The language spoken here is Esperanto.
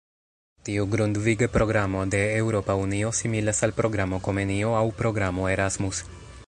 Tiu Grundvig-programo de Eŭropa Unio similas al programo Komenio aŭ programo Erasmus.